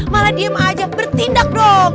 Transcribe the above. malah diem ajak bertindak dong